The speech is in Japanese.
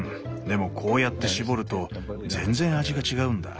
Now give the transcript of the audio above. でもこうやって搾ると全然味が違うんだ。